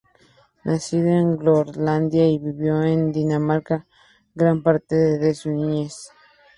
Nació en Groenlandia y vivió en Dinamarca gran parte de su niñez.